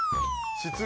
失礼。